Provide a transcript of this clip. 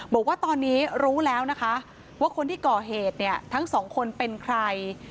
บอกว่าตอนนี้รู้แล้วนะคะว่าคนที่ก่อเหตุเนี่ยทั้งสองคนเป็นใคร